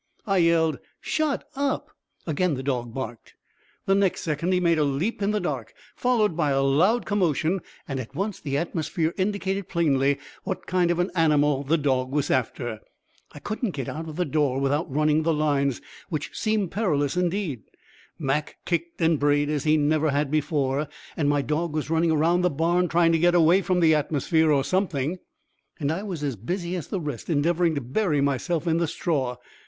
I yelled, "Shut up!" Again the dog barked. The next second he made a leap in the dark, followed by a loud commotion, and at once the atmosphere indicated plainly what kind of an animal the dog was after. I couldn't get out of the door without running the lines, which seemed perilous indeed. Mac kicked and brayed as he never had before, and my dog was running round the barn trying to get away from the atmosphere or something. And I was as busy as the rest endeavoring to bury myself in the straw.